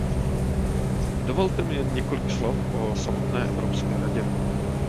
Dovolte mi jen několik slov o samotné Evropské radě.